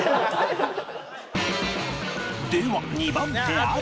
では２番手淳